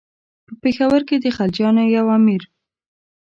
په پېښور کې د خلجیانو یو امیر.